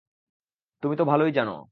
তুমি তো ভালোই জানো।